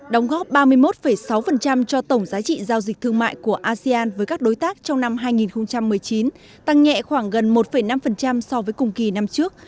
đóng góp ba mươi một sáu cho tổng giá trị giao dịch thương mại của asean với các đối tác trong năm hai nghìn một mươi chín tăng nhẹ khoảng gần một năm so với cùng kỳ năm trước